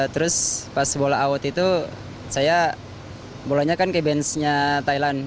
terus pas bola out itu saya bolanya kan ke bench nya thailand